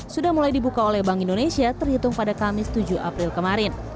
sudah mulai dibuka oleh bank indonesia terhitung pada kamis tujuh april kemarin